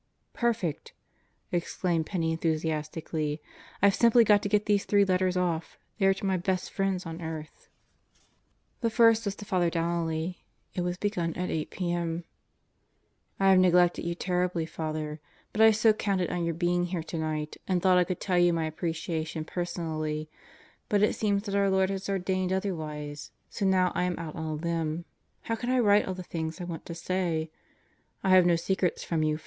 "Perfect 1" exclaimed Penney enthusiastically. "IVe simply got to get these three letters off. They are to my best friends on earth." 198 God Goes to Murderers Row The first was to Father Donnelly. It was begun at 8 p.m. I have neglected you terribly, Fr., but I so counted on your being here tonight and thought I could tell you my appreciation personally, but it seems that our Lord has ordained otherwise, so now I am out on a limb, how can I write all the things I want to say. I have no secrets from you, Fr.